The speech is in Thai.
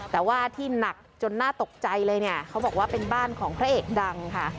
แต่ว่าที่หนักจนน่าตกใจเลยเนี่ยเขาบอกว่าเป็นบ้านของพระเอกดังค่ะ